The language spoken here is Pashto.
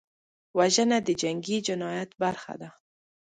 وژنه د جنګي جنایت برخه ده